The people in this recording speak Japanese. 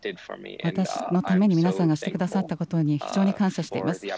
私のために皆さんがしてくださったことに、非常に感謝しています。